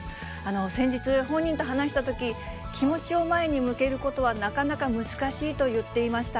先日、本人と話したとき、気持ちを前に向けることはなかなか難しいと言っていました。